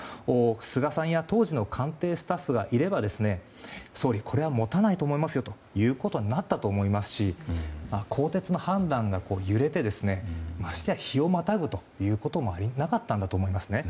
菅さんや当時の官邸スタッフがいれば総理、これは持たないと思いますよということになったと思いますし更迭の判断が揺れてましてや日をまたぐこともなかったんだと思います。